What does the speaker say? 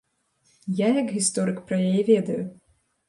Я як гісторык пра яе ведаю.